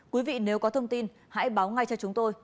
quý vị nếu có thông tin hãy báo ngay cho chúng tôi